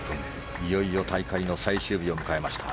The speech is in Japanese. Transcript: いよいよ大会の最終日を迎えました。